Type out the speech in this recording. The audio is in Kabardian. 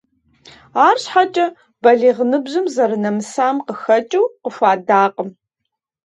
Арщхьэкӏэ балигъ ныбжьым зэрынэмысам къыхэкӏыу, къыхуадакъым.